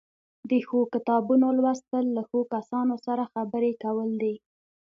د ښو کتابونو لوستل له ښو کسانو سره خبرې کول دي.